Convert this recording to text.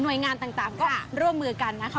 โดยงานต่างก็ร่วมมือกันนะคะ